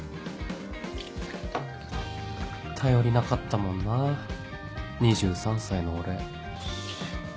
頼りなかったもんな２３歳の俺